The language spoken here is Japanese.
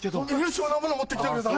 そんなもの持ってきてくれた。